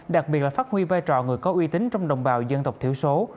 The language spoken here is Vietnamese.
đặc biệt là phát huy vai trò người có uy tín trong đồng bào dân tộc thiểu số